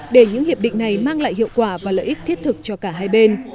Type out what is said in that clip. để những hiệp định này mang lại hiệu quả và lợi ích thiết thực cho cả hai bên